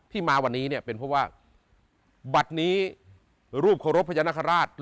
ที่มาวันนี้เนี่ยเป็นเพราะว่าบัดนี้รูปโครบพระเจ้านาคาราช